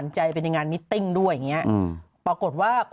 เดี๋ยวดูก่อนครับคุณแม่